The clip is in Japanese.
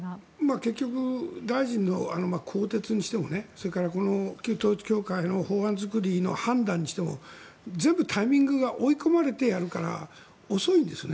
結局、大臣の更迭にしてもそれから旧統一教会の法案作りの判断にしても全部タイミングが追い込まれてやるから遅いんですね。